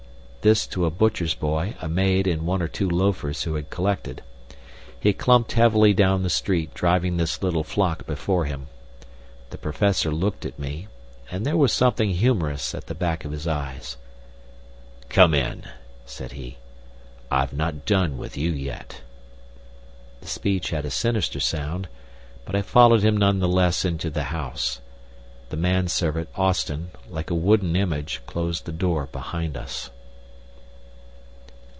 This to a butcher's boy, a maid, and one or two loafers who had collected. He clumped heavily down the street, driving this little flock before him. The Professor looked at me, and there was something humorous at the back of his eyes. "Come in!" said he. "I've not done with you yet." The speech had a sinister sound, but I followed him none the less into the house. The man servant, Austin, like a wooden image, closed the door behind us.